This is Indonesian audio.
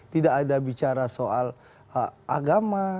tidak ada bicara soal agama